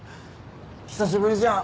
久しぶりじゃん。